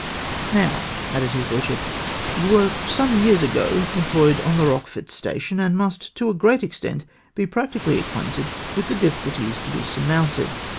" Now," added his lordship, " you were some years ago employed on the Eochefort station, and must, to a great extent, be practically acquainted vdth the difficul ties to be surmounted.